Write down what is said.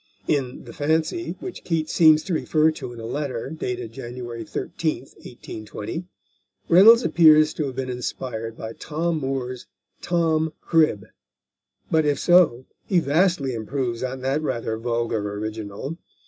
In The Fancy, which Keats seems to refer to in a letter dated January 13th, 1820, Reynolds appears to have been inspired by Tom Moore's Tom Crib, but if so, he vastly improves on that rather vulgar original.